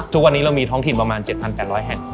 ทุกวันนี้เรามีท้องถิ่นประมาณ๗๘๐๐แห่ง